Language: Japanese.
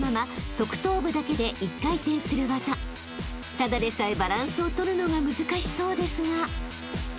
［ただでさえバランスを取るのが難しそうですが］